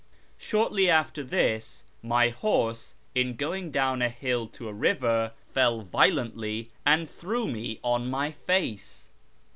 Shortly after this, my horse, in going down a hill to a river, fell violently and threw me on my face.